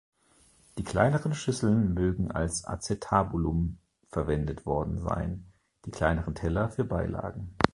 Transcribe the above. Die kleineren Schüsseln mögen als acetabulum verwendet worden sein, die kleineren Teller für Beilagen.